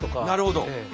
なるほど。